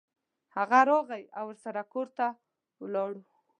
هغه راغی او ورسره کور ته ولاړو.